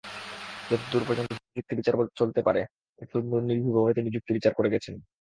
যতদূর পর্যন্ত যুক্তিবিচার চলতে পারে, ততদূর নির্ভীকভাবে তিনি যুক্তিবিচার করে গেছেন।